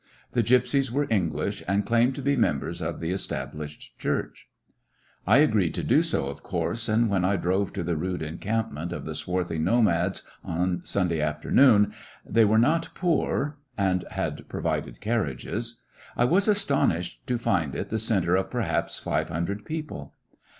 The gypsies were English and claimed to be members of the Established Church. A motley I agreed to do so, of course, and when I drove to the rude encampment of the swarthy nomads on Sunday afternoon— they were not poor and had provided carriages— I was aston ished to find it the centre of perhaps five hun dred people.